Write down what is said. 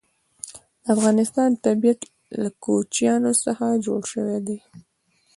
د افغانستان طبیعت له کوچیان څخه جوړ شوی دی.